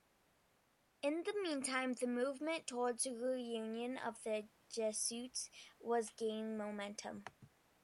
In the meantime the movement towards reunion of the Jesuits was gaining momentum.